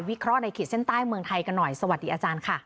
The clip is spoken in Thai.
เคราะห์ในขีดเส้นใต้เมืองไทยกันหน่อยสวัสดีอาจารย์ค่ะ